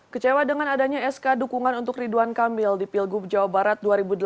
kecewa dengan adanya sk dukungan untuk ridwan kamil di pilgub jawa barat dua ribu delapan belas